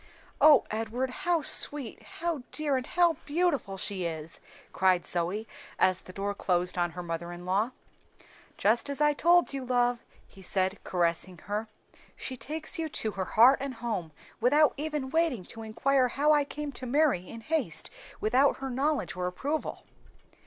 "O Edward, how sweet, how dear, and how beautiful she is!" cried Zoe, as the door closed on her mother in law. "Just as I told you, love," he said, caressing her. "She takes you to her heart and home without even waiting to inquire how I came to marry in haste without her knowledge or approval."